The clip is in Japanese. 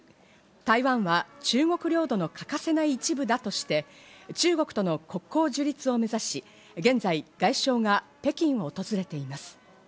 台湾は中国領土の欠かせない一部だとして、中国との国交樹立を目指し、現在外相が北京を訪れています。